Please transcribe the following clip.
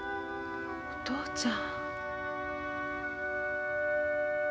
お父ちゃん。